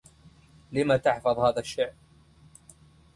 لم تحفظ هذا الشعر؟